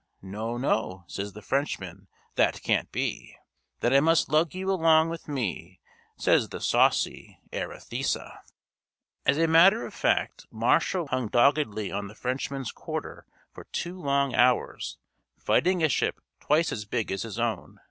'No, no,' says the Frenchman, 'that can't be.' 'Then I must lug you along with me,' Says the saucy Arethusa!" As a matter of fact Marshall hung doggedly on the Frenchman's quarter for two long hours, fighting a ship twice as big as his own.